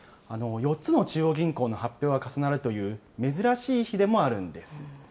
４つの中央銀行の発表が重なるという珍しい日でもあるんです。